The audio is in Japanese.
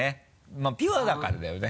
まぁピュアだからだよね。